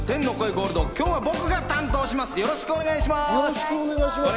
ゴールド、今日は僕が担当します。